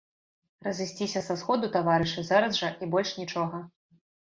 Разысціся са сходу, таварышы, зараз жа, і больш нічога!